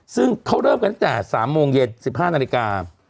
ซึ่งเขาเริ่มกันตั้งแต่๓โมงเย็น๑๕นาฬิกา